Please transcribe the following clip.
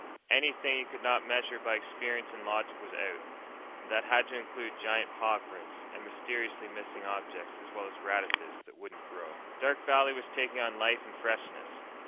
Anything he could not measure by experience and logic was out. And that had to include giant paw prints and mysteriously missing objects as well as radishes that wouldn't grow. Dark Valley was taking on life and freshness.